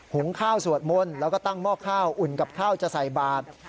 หุงข้าวสวดมนต์แล้วก็ตั้งหม้อข้าวอุ่นกับข้าวจะใส่บาท